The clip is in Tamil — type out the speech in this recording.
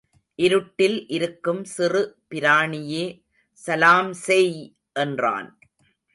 இருட்டில் இருக்கும் சிறு பிராணியே சலாம் செய்! என்றான்.